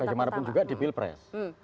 bagaimanapun juga di pilpres